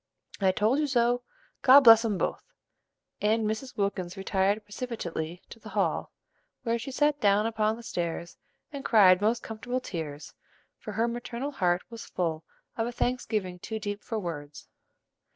"I told you so; God bless 'em both!" and Mrs. Wilkins retired precipitately to the hall, where she sat down upon the stairs and cried most comfortable tears; for her maternal heart was full of a thanksgiving too deep for words.